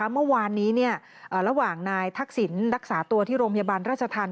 เมื่อวานนี้ระหว่างนายทักษิณรักษาตัวที่โรงพยาบาลราชธรรม